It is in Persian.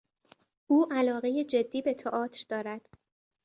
او علاقهی جدی به تئاتر دارد.